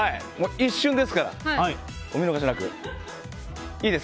一瞬ですからお見逃しなく。